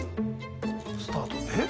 スタートえっ？